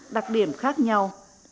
đặc điểm khác nhau